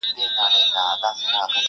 تور تم ته مي له سپیني ورځي بولي غلی غلی،